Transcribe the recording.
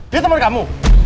dia teman kamu